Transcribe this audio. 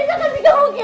jangan trouble me